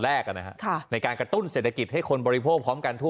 ในการกระตุ้นเศรษฐกิจให้คนบริโภคพร้อมกันทั่ว